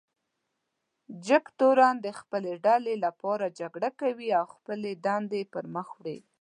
جګتورن د خپلې ډلې لپاره جګړه کوي او خپلې دندې پر مخ وړي.